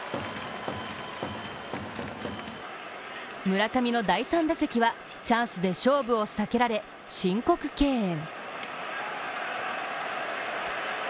村上の第３打席はチャンスで勝負を避けられ申告敬遠。